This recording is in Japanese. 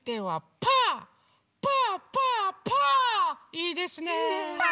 いいですね。